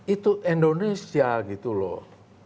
itu indonesia gitu loh